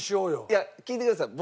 いや聞いてください。